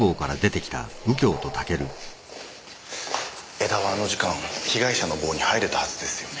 江田はあの時間被害者の房に入れたはずですよね。